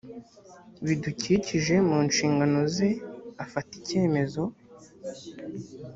ibidukikije mu nshingano ze afata icyemezo